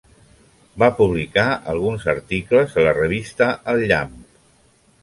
Va publicar alguns articles a la revista El Llamp.